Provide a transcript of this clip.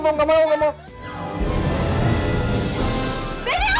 mbersambung dengan muda